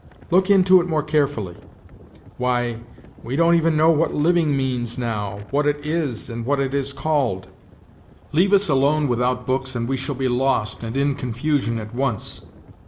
Look into it more carefully ! Why, we don't even know what living means now, what it is, and what it is called ? Leave us alone without books and we shall be lost and in confusion at once.